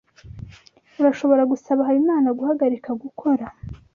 Urashobora gusaba Habimana guhagarika gukora?